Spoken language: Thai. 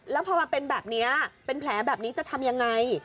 แล้วพอมาเป็นแบบนี้เป็นแผลแบบนี้จะทำยังไง